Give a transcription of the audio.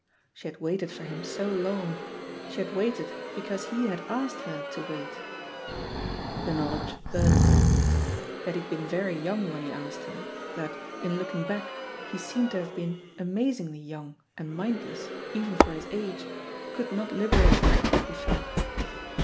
She had waited for him so long; she had waited because he had asked her to wait ! The knowledge burdened him. That he had been very yoimg when he asked her, that, in looking THE POSITION OF PEGGY HARPER 1«T back, he seemed to have been amazingly young and mindless, even for his age, could not liberate him, he felt.